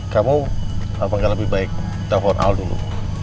kamu apakah lebih baik kita phone out dulu